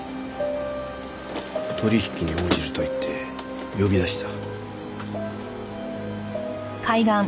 取引に応じると言って呼び出した。